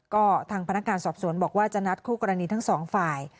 ก็ทางพนักงานสอบสวนบอกว่าจะนัดคู่กรณีทั้งสองฝ่าย